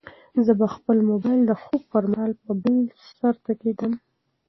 زه به خپل موبایل د خوب پر مهال په بل سرته کېږدم.